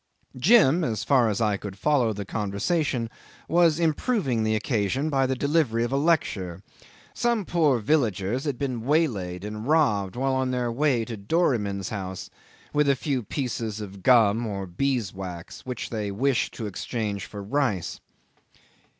Jim as far as I could follow the conversation was improving the occasion by the delivery of a lecture. Some poor villagers had been waylaid and robbed while on their way to Doramin's house with a few pieces of gum or beeswax which they wished to exchange for rice.